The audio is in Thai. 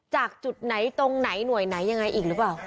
จากจุดไหนตรงไหนหน่วยไหนยังไงอีกหรือเปล่า